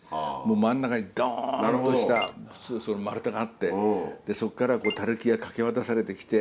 真ん中にドンとした丸太があってそっから垂木が掛け渡されてきて。